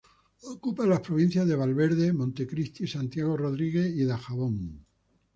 Ocupa las provincias de Valverde, Monte Cristi, Santiago Rodríguez y Dajabón.